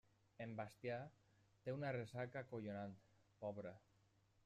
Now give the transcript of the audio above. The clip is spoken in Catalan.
En Bastià té una ressaca acollonant, pobre.